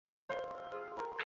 Please, বলটা দাও।